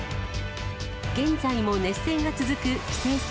現在も熱戦が続く棋聖戦